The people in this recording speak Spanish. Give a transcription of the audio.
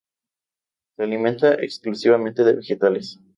Se alimenta exclusivamente de vegetales.